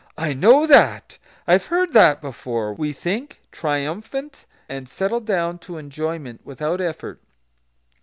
"I know that! I have heard that before!" we think, triumphant, and settle down to enjoyment without effort.